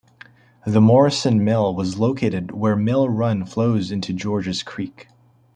The Morrison Mill was located where Mill Run flows into Georges Creek.